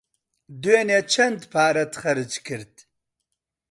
دوێنێ چەند پارەت خەرج کرد؟